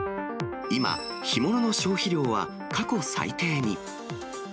今、干物の消費量は過去最低に。